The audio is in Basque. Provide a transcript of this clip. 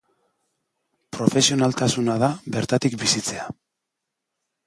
Profesionaltasuna da bertatik bizitzea.